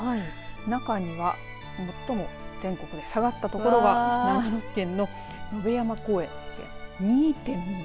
中には最も全国で下がったところが長野県の野辺山高原２．６。